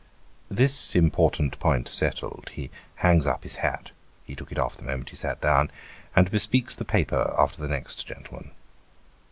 This important point settled, he hangs up his hat he took it off the moment he sat down and bespeaks the paper after the next gentleman.